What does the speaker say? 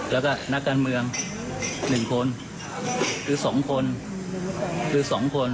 แล้วก็นักการเมือง๑คนหรือ๒คน